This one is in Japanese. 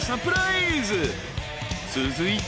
［続いて］